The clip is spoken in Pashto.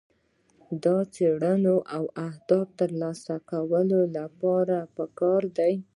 دا د ځانګړو اهدافو د ترلاسه کولو لپاره دی.